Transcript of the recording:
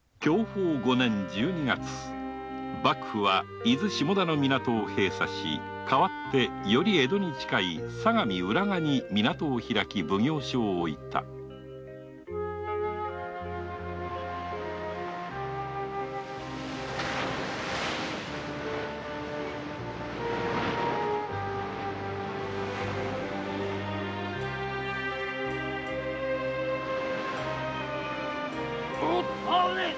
享保五年十二月幕府は伊豆下田の港を閉鎖しより江戸に近い相模浦賀に港を開き奉行所を置いたおっと